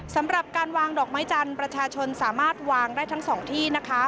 สำหรับการวางดอกไม้จันทร์ประชาชนสามารถวางได้ทั้งสองที่นะคะ